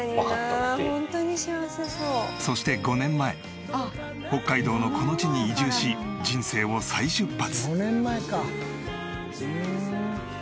そして５年前北海道のこの地に移住し人生を再出発。